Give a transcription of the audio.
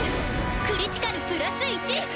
クリティカルプラス１！